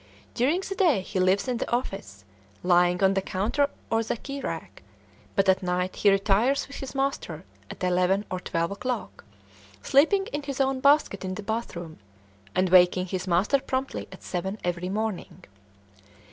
During the day he lives in the office, lying on the counter or the key rack, but at night he retires with his master at eleven or twelve o'clock, sleeping in his own basket in the bathroom, and waking his master promptly at seven every morning.